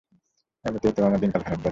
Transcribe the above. এমনিতেই তো আমার দিনকাল খারাপ যাচ্ছে।